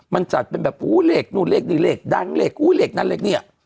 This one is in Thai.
มันจัดเป็นแบบอุ๊ยเล็กนู่นเล็กนี่เล็กดังเล็กอุ๊ยเล็กนั่นเล็กเนี่ย